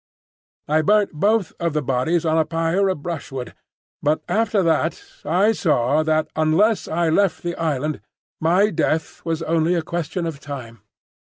I burnt both of the bodies on a pyre of brushwood; but after that I saw that unless I left the island my death was only a question of time.